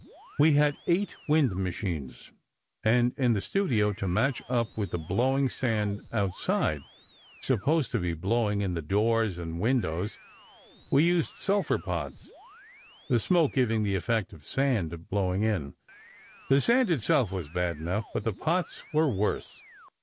We had eight wind machines, and in the studio, to match up with the blowing sand outside (supposed to be blowing in the doors and windows), we used sulphur pots, the smoke giving the effect of sand blowing in. The sand itself was bad enough, but the pots were worse.